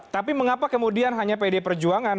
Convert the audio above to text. tapi mengapa kemudian hanya pd perjuangan